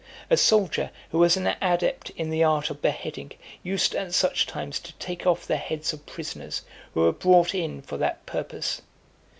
A soldier, who was an adept in the art of beheading, used at such times to take off the heads of prisoners, who were brought in for that purpose.